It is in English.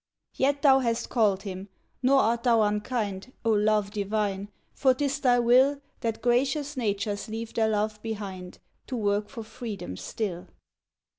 Yet thou hast called him, nor art thou unkind, O Love Divine, for 'tis thy will That gracious natures leave their love behind To work for Freedom still.